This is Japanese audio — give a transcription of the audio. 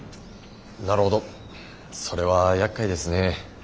なるほどそれはやっかいですね。